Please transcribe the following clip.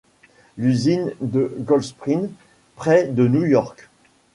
L’usine de Goldsprings, près de New-York.